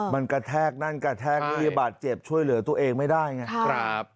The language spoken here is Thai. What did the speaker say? มันกระแทกนั่นกระแทกนี่บาดเจ็บช่วยเหลือตัวเองไม่ได้ไง